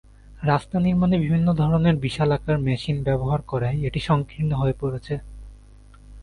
রাস্তা নির্মাণে বিভিন্ন ধরনের বিশালাকার মেশিন ব্যবহার করায় এটি সংকীর্ণ হয়ে পড়েছে।